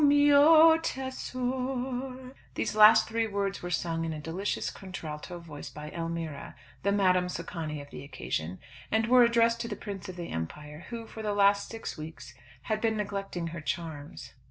"O, mio tesor." These last three words were sung in a delicious contralto voice by Elmira, the Madame Socani of the occasion, and were addressed to the Prince of the Empire, who, for the last six weeks, had been neglecting her charms.